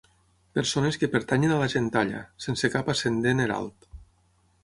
Persones que pertanyen a la gentalla, sense cap ascendent herald.